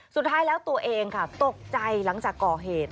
สุดท้ายแล้วตัวเองค่ะตกใจหลังจากก่อเหตุ